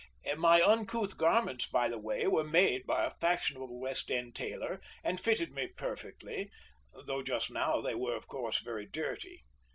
My uncouth garments, by the way, were made by a fashionable West End tailor, and fitted me perfectly, although just now they were, of course, very dirty.